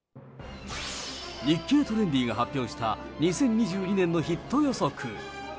日経トレンディが発表した２０２２年のヒット予測。